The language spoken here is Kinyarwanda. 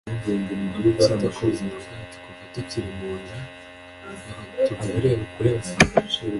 ikita ku buzima bwacu kuva tukiri mu nda y'abatubyaye